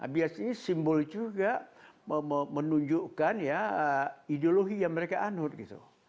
biasanya simbol juga menunjukkan ideologi yang mereka anur gitu